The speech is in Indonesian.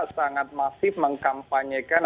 sangat masif mengkampanyekan